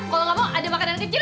kalo gak mau ada makanan kecil